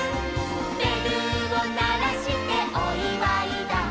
「べるをならしておいわいだ」